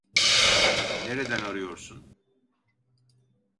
Nereden arıyorsun?